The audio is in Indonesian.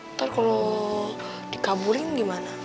ntar kalau dikabulin gimana